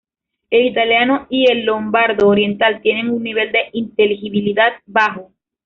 El italiano y el lombardo oriental tienen un nivel de inteligibilidad bajo.